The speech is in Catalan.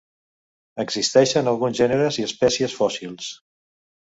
Existeixen alguns gèneres i espècies fòssils.